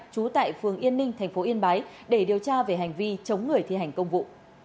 trú tại phường yên ninh thành phố yên bái để điều tra về hành vi chống người thi hành công vụ